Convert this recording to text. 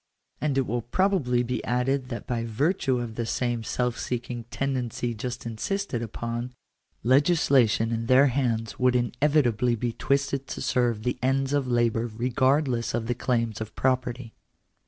And it will probably be added that by virtue of this same self seeking tendency just insisted upon, legislation in their hands would inevitably be twisted to serve the ends of labour regardless of the claims of property.